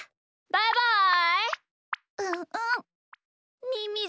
バイバイ！